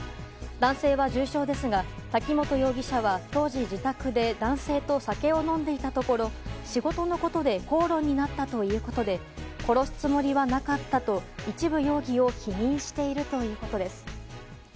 男性は重傷ですが滝本容疑者は当時、自宅で男性と酒を飲んでいたところ仕事のことで口論になったということで殺すつもりはなかったと一部容疑を否認しているということです。